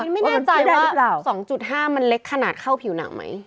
ไม่แน่ใจว่า๒๕มันเล็กขนาดเข้าผิวหนังไหม